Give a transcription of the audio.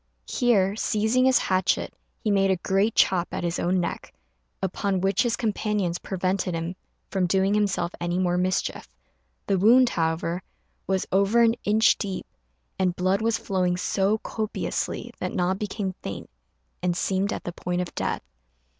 Here, seizing his hatchet, he made a great chop at his own neck, upon which his companions prevented him from doing himself any more mischief. The wound, however, was over an inch deep, and blood was flowing so copiously that Na became faint, and seemed at the point of death.